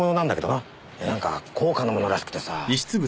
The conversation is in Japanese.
なんか高価なものらしくてさ。